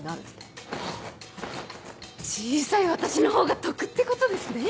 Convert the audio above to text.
小さい私のほうが得ってことですね！